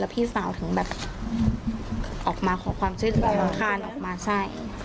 พี่สาวถึงแบบออกมาขอความช่วยเหลือคานออกมาใช่